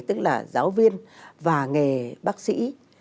tức là giáo viên và nghề bác sĩ